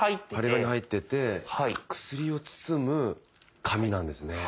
針金が入ってて薬を包む紙なんですね。